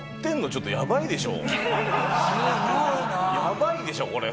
やばいでしょこれ。